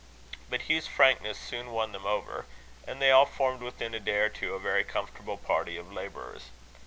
But Hugh's frankness soon won them over, and they all formed within a day or two a very comfortable party of labourers.